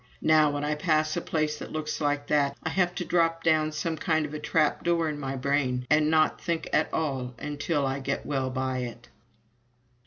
Now, when I pass a place that looks like that, I have to drop down some kind of a trap door in my brain, and not think at all until I get well by it.